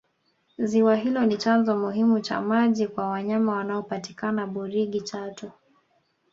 ziwa hilo ni chanzo muhimu cha maji kwa wanyama wanaopatikana burigi chato